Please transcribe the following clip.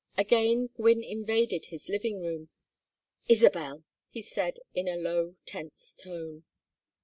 Again Gwynne invaded his living room. "Isabel!" he said, in a low tense tone.